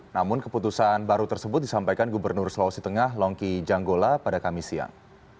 namun keputusan baru tersebut disampaikan gubernur sulawesi tengah longki janggola pada kamis siang